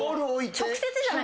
直接じゃない。